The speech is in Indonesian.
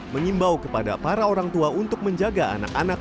mengimbau kepada para orang tua untuk menjaga anak anak